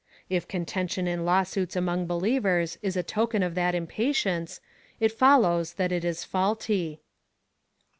If contention in law suits among believers is a token of that impatience, it follows that it is faidty.